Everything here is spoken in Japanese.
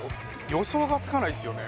予想がつかないっすよね